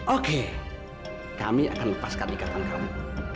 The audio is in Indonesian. oke kami akan lepaskan ikatan kamu